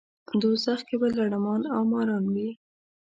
دوزخ کې به لړمان او ماران وي.